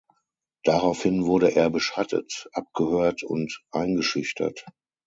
Daraufhin wurde er beschattet, abgehört und eingeschüchtert.